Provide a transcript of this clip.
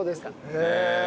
へえ。